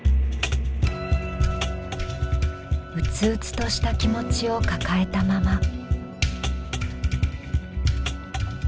鬱々とした気持ちを抱えたまま。